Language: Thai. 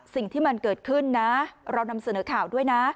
สิ่งที่มันเกิดขึ้นนะเรานำเสนอข่าวด้วยนะ